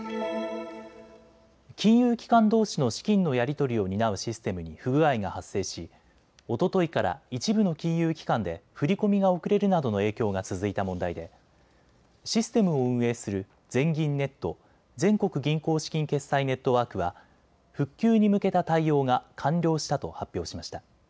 金融機関どうしの資金のやり取りを担うシステムに不具合が発生しおとといから一部の金融機関で振り込みが遅れるなどの影響が続いた問題でシステムを運営する全銀ネット・全国銀行資金決済ネットワークは復旧に向けた対応が完了したと発表しました。